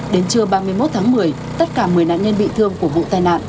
đến trưa ba mươi một tháng một mươi tất cả một mươi nạn nhân bị thương của vụ tai nạn